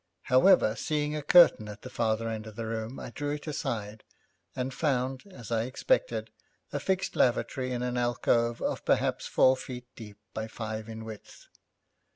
However, seeing a curtain at the farther end of the room, I drew it aside, and found, as I expected, a fixed lavatory in an alcove of perhaps four feet deep by five in width.